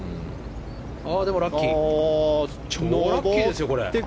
でもラッキーですよ、これ。